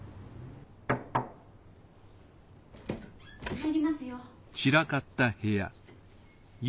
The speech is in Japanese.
入りますよ。